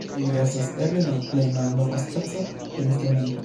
Ili estas eble la plej malnova speco de instrumento.